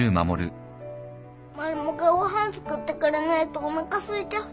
マルモがご飯作ってくれないとおなかすいちゃう。